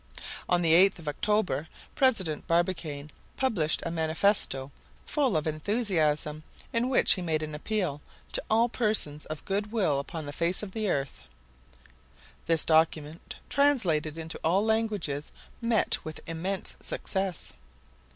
On the 8th of October President Barbicane published a manifesto full of enthusiasm, in which he made an appeal to "all persons of good will upon the face of the earth." This document, translated into all languages, met with immense success.